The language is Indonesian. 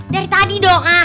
dari tadi dong ah